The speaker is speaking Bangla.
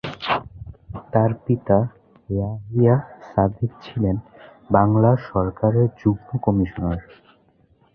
তার পিতা ইয়াহিয়া সাদেক ছিলেন বাংলা সরকারের যুগ্ম কমিশনার।